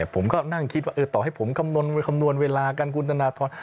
ผมก็นั่งคิดต่อให้ผมกำนวณเวลาการคุณธนธรรม